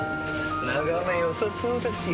眺めよさそうだし。